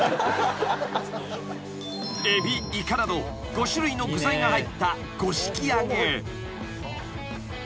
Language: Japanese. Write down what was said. ［エビイカなど５種類の具材が入った］